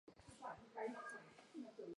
圣卡斯坦人口变化图示